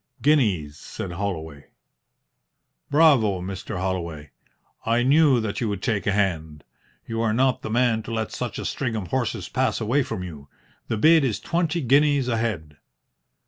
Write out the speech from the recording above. "Guineas," said Holloway. "Bravo, Mr. Holloway! I knew that you would take a hand. You are not the man to let such a string of horses pass away from you. The bid is twenty guineas a head."